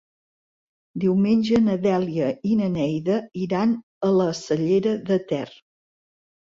Diumenge na Dèlia i na Neida iran a la Cellera de Ter.